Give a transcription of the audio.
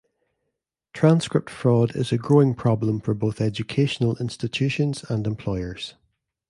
Transcript fraud is a growing problem for both educational institutions and employers.